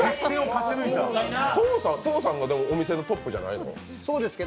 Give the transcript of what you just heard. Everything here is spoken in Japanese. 登さんがおみせのトップじゃないの？